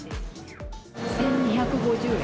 １２５０円。